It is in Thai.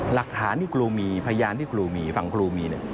หลักฐานที่ครูมีพยานที่ครูมีฝั่งครูมีเนี่ย